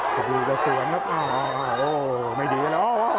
ความรู้จะสวนละไม่ดีเลย